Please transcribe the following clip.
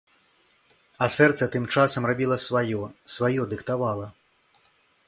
А сэрца тым часам рабіла сваё, сваё дыктавала.